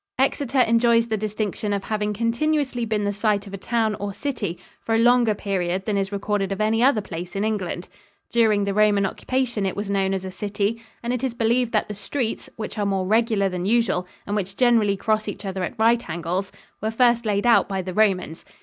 Exeter enjoys the distinction of having continuously been the site of a town or city for a longer period than is recorded of any other place in England. During the Roman occupation it was known as a city, and it is believed that the streets, which are more regular than usual and which generally cross each other at right angles, were first laid out by the Romans.